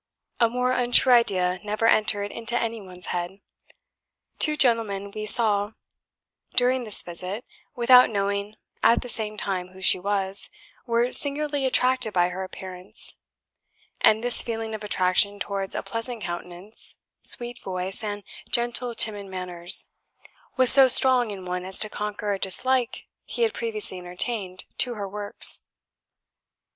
A more untrue idea never entered into any one's head. Two gentlemen who saw her during this visit, without knowing at the time who she was, were singularly attracted by her appearance; and this feeling of attraction towards a pleasant countenance, sweet voice, and gentle timid manners, was so strong in one as to conquer a dislike he had previously entertained to her works.